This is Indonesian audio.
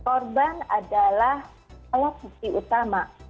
korban adalah alat bukti utama